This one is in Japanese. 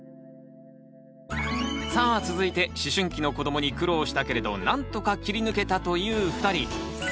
さあ続いて思春期の子どもに苦労したけれどなんとか切り抜けたという２人。